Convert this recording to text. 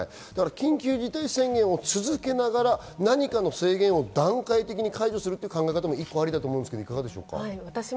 緊急事態宣言を続けながら何かの制限を段階的に解除するという考え方も一個あるんだと思うんですけれども。